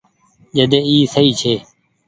جڏي اي سئي ڇي۔